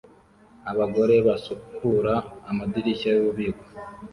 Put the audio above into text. Abagore basukura amadirishya yububiko